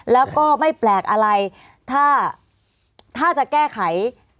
แล้วก็ไม่แปลกอะไรถ้าจะแก้ไข